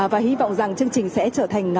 và hy vọng rằng chương trình sẽ trở thành